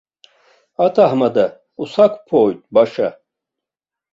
Аҭаҳмада, усақәԥоит баша.